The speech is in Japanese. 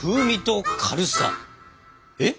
えっ？